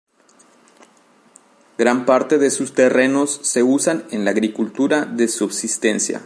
Gran parte de sus terrenos se usan en la agricultura de subsistencia.